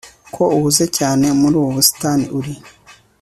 ko uhuze cyane muri ubu busitani uri